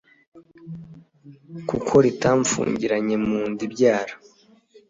kuko ritamfungiraniye mu nda ibyara